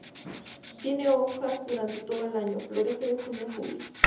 Tiene hojas durante todo el año, florece de junio a julio.